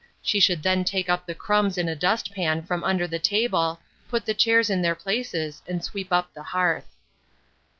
She should then take up the crumbs in a dustpan from under the table, put the chairs in their places, and sweep up the hearth.